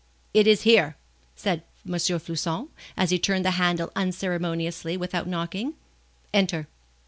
"It is here!" said M. Floçon, as he turned the handle unceremoniously without knocking. "Enter."